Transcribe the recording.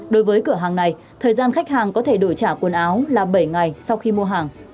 đối với cửa hàng này thời gian khách hàng có thể đổi trả quần áo là bảy ngày sau khi mua hàng